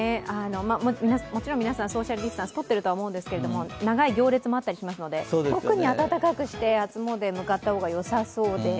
もちろん皆さん、ソーシャルディスタンスとっているとは長い行列もあったりするので、特に厚着をして初詣に向かった方がよさそうです。